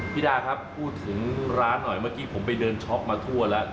ดาครับพูดถึงร้านหน่อยเมื่อกี้ผมไปเดินช็อกมาทั่วแล้ว